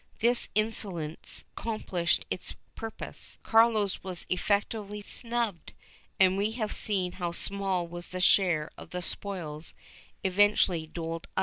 ^ This insolence accomplished its purpose; Carlos was effectually snubbed, and we have seen how small was the share of the spoils eventually doled out to him.